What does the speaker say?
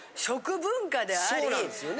そうなんですよね。